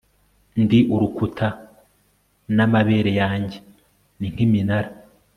ndi urukuta, n'amabere yanjye ni nk'iminara